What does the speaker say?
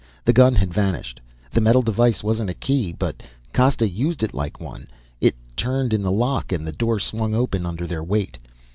The gun had vanished. The metal device wasn't a key, but Costa used it like one. It turned in the lock and the door swung open under their weight.